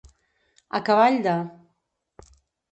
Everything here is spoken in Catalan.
A cavall de.